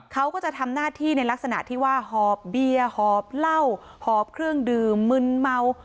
เขาก็จะทำหน้าที่ในลักษณะที่ว่าหอบเบียร์หอบเหล้าหอบเครื่องดื่มมึนเมา